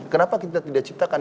kenapa kita tidak ciptakan